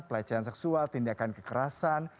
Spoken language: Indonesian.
pelecehan seksual tindakan kekerasan